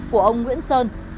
của ông nguyễn sơn